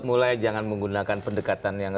mulai jangan menggunakan pendekatan yang